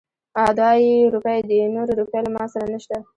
او دا يې روپۍ دي. نورې روپۍ له ما سره نشته.